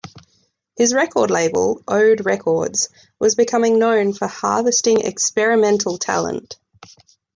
His record label, Ode Records was becoming known for harvesting experimental talent.